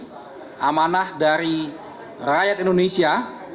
ini amanah dari rakyat indonesia